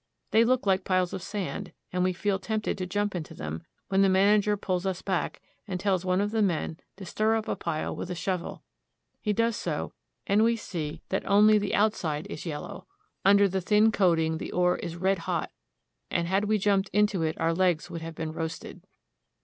They look like piles of sand, and we feel tempted to jump into them, when the man ager pulls us back, and tells one of the men to stir up a pile with a shovel. He does so, and we see that only the 254 THE ROCKY MOUNTAIN REGION. outside is yellow. Under the thin coating the ore is red hot, and had we jumped into it our legs would have been roasted.